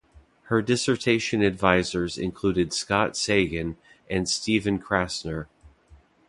Her dissertation advisors included Scott Sagan and Stephen Krasner.